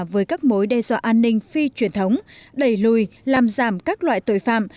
với các mối đe dọa an ninh phi truyền thống đẩy lùi làm giảm các loại tội phạm